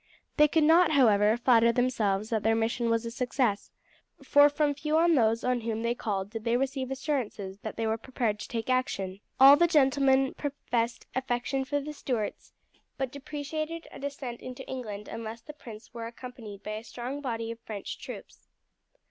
They could not, however, flatter themselves that their mission was a success, for from few of those on whom they called did they receive assurances that they were prepared to take action; all the gentlemen professed affection for the Stuarts, but deprecated a descent into England unless the prince were accompanied by a strong body of French troops.